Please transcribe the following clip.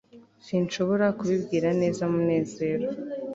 sinshobora kubibwira neza munezero